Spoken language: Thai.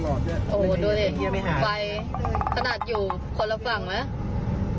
โอ้โหดูดิไฟขนาดอยู่คนละฝั่งไหม